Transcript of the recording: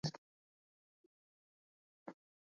Mvua kubwa na ya muda mrefu pamoja na mafuriko